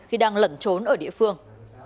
khi đang lẩn trốn ở địa phương